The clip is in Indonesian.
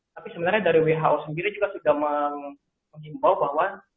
tapi sebenarnya dari who sendiri juga sudah mengimbau bahwa